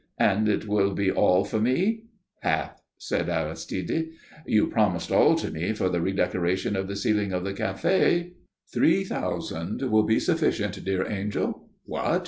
"And it will be all for me?" "Half," said Aristide. "You promised all to me for the redecoration of the ceiling of the café." "Three thousand will be sufficient, dear angel. What?